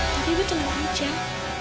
tapi ibu terlalu anjir